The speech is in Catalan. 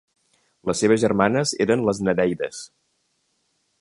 Les seves germanes eren les Nereides.